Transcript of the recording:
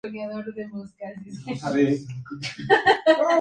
Hizo toda clase de teatro, desde la opereta al drama.